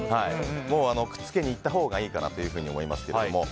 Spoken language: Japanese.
くっつけにいったほうがいいかなと思いますけども。